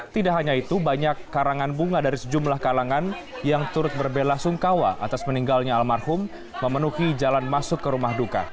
tidak hanya itu banyak karangan bunga dari sejumlah kalangan yang turut berbela sungkawa atas meninggalnya almarhum memenuhi jalan masuk ke rumah duka